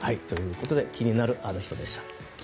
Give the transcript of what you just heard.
気になるアノ人でした。